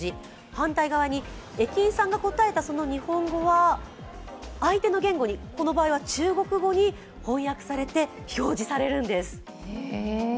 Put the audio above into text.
反対側に駅員さんが答えた、その日本語は相手の言語に、この場合は中国語に翻訳されて表示されるんです。